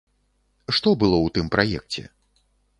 Што было ў тым праекце?